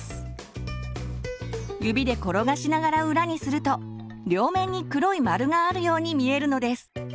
指で転がしながら裏にすると両面に黒い丸があるように見えるのです。